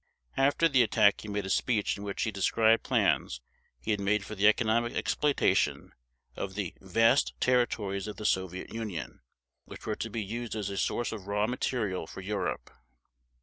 After the attack he made a speech in which he described plans he had made for the economic exploitation of the "vast territories of the Soviet Union" which were to be used as a source of raw material for Europe.